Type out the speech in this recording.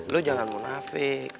lo jangan munafik